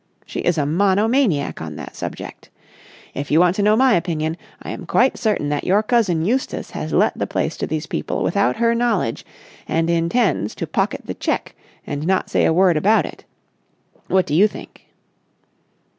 She is a monomaniac on that subject. If you want to know my opinion, I am quite certain that your cousin Eustace has let the place to these people without her knowledge, and intends to pocket the cheque and not say a word about it. What do you think?"